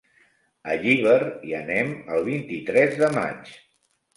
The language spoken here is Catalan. A Llíber hi anem el vint-i-tres de maig.